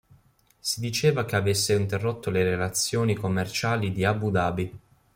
Si diceva anche che avesse interrotto le relazioni commerciali di Abu Dhabi.